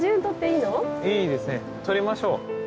いいですねとりましょう。